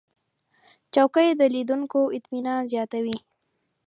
چوکۍ د لیدونکو اطمینان زیاتوي.